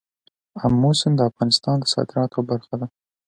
آمو سیند د افغانستان د صادراتو برخه ده.